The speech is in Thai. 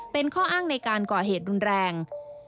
เป็นข้ออ้างในการก่อเหตุรุนแรง